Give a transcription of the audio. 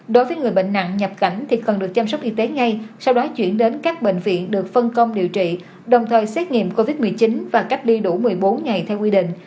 đối với người bệnh nặng nhập cảnh thì cần được chăm sóc y tế ngay sau đó chuyển đến các bệnh viện được phân công điều trị đồng thời xét nghiệm covid một mươi chín và cách ly đủ một mươi bốn ngày theo quy định